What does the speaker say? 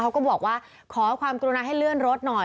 เขาก็บอกว่าขอความกรุณาให้เลื่อนรถหน่อย